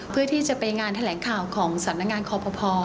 เพื่อที่จะไปงานแถลงข่าวของสำนักงานคอปภ